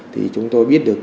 thì chúng tôi biết được